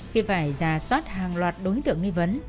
khi phải giả soát hàng loạt đối tượng nghi vấn